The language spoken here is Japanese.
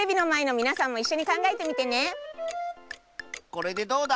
これでどうだ